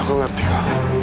aku ngerti kamu